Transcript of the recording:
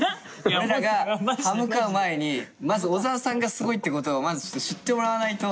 俺らが刃向かう前にまず小沢さんがすごいってことをまず知ってもらわないと。